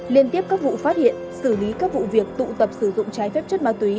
liên tiếp các vụ phát hiện xử lý các vụ việc tụ tập sử dụng trái phép chất ma túy